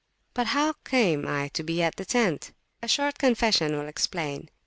But how came I to be at the tent? A short confession will explain.